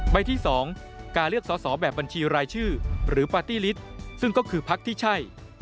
ใบที่๒การเลือกสอสอแบบบัญชีรายชื่อหรือปาร์ตี้ลิตซึ่งก็คือพักที่ใช่